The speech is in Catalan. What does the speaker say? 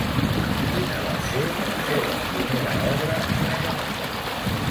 Quina va ser la seva primera obra rellevant?